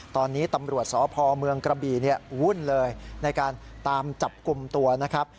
ตอนนี้ตำรวจสพเมืองกระบี่เนี่ยวุ่นเลยในการตามจับกลุ่มตัวนะครับ